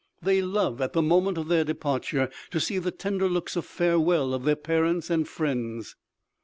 They love, at the moment of their departure to see the tender looks of farewell of their parents and friends.